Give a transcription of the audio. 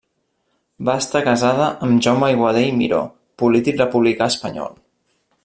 Va estar casada amb Jaume Aiguader i Miró, polític republicà espanyol.